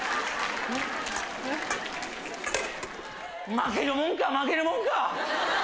負けるもんか負けるもんか。